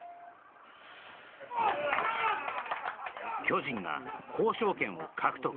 巨人が交渉権を獲得